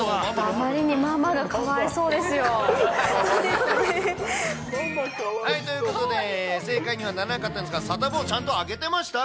あまりにママがかわいそうでそうですかね。ということで、正解にはならなかったんですが、サタボー、ちゃんとあげてました？